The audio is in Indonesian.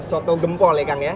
soto gempol ya kang ya